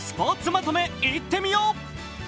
まとめいってみよう。